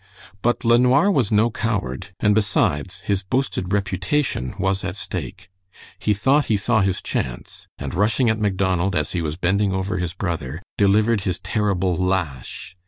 But LeNoir was no coward, and besides his boasted reputation was at stake. He thought he saw his chance, and rushing at Macdonald as he was bending over his brother, delivered his terrible 'lash'.